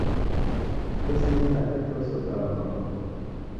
Mtesienyi na chochose uchalomba konyu